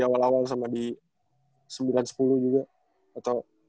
awal sama di sembilan sepuluh juga atau